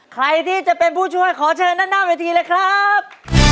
ใครที่จะเป็นผู้ช่วยขอเชิญด้านหน้าเวทีเลยครับ